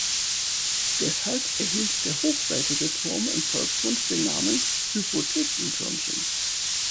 Deshalb erhielt der hofseitige Turm im Volksmund den Namen „Hypothekentürmchen“.